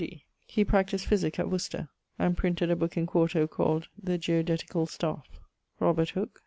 D. he practised Physick at Worcester, and printed a booke in 4to called The Geodeticall Staffe.